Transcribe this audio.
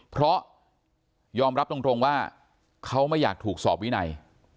เพราะยอมรับตรงว่าเขาไม่อยากถูกสอบวินัย